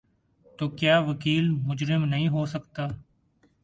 تو کیا وکیل مجرم نہیں ہو سکتا؟